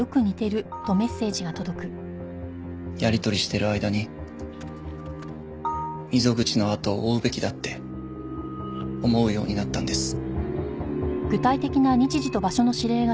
やり取りしてる間に溝口の後を追うべきだって思うようになったんです。